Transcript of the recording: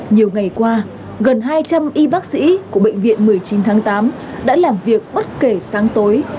nhiều ngày qua gần hai trăm linh y bác sĩ của bệnh viện một mươi chín tháng tám đã làm việc bất kể sáng tối